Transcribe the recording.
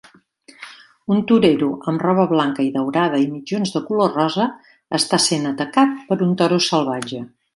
Un torero amb roba blanca i daurada i mitjons de color rosa està sent atacat per un toro salvatge.